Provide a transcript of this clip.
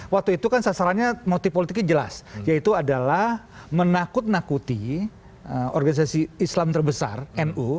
waktu itu kan sasarannya motif politiknya jelas yaitu adalah menakut nakuti organisasi islam terbesar nu